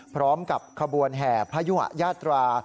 พร้อมกับขบวนแห่พยุหะยาตรา